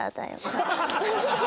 ハハハハ！